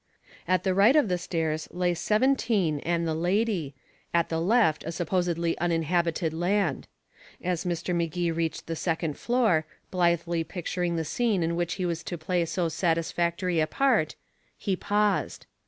At the right of the stairs lay seventeen and the lady, at the left a supposedly uninhabited land. As Mr. Magee reached the second floor, blithely picturing the scene in which he was to play so satisfactory a part he paused.